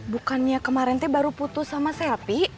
bukannya kemarin baru putus sama selvi